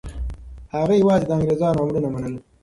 هغه یوازې د انګریزانو امرونه منل.